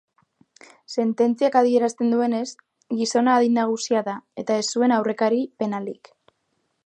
Sententziak adierazten duenez, gizona adin nagusia da eta ez zuen aurrekari penalik.